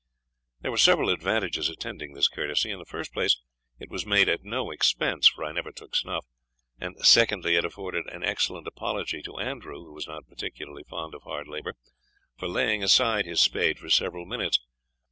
There were several advantages attending this courtesy. In the first place, it was made at no expense, for I never took snuff; and secondly, it afforded an excellent apology to Andrew (who was not particularly fond of hard labour) for laying aside his spade for several minutes.